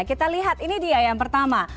kita lihat ini dia yang pertama